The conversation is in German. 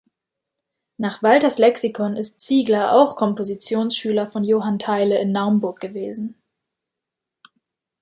Nach Walthers Lexikon ist Ziegler auch Kompositions-Schüler von Johann Theile in Naumburg gewesen.